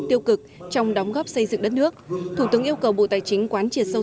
tiêu cực trong đóng góp xây dựng đất nước thủ tướng yêu cầu bộ tài chính quán triệt sâu